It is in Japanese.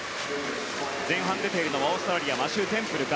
前半出ているのはオーストラリアマシュー・テンプルか。